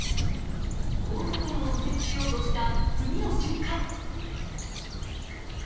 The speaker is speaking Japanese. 交差点を右折しようとした次の瞬間。